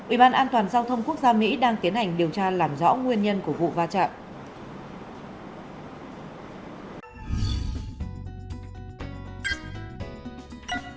ủy ban an toàn giao thông quốc gia mỹ đang tiến hành điều tra làm rõ nguyên nhân của vụ va chạm